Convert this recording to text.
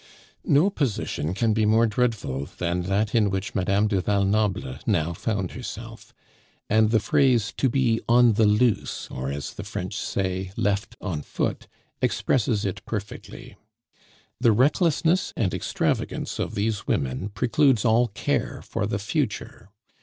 No position can be more dreadful than that in which Madame du Val Noble now found herself; and the phrase to be on the loose, or, as the French say, left on foot, expresses it perfectly. The recklessness and extravagance of these women precludes all care for the future.